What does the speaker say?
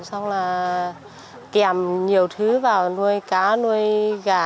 xong là kèm nhiều thứ vào nuôi cá nuôi gà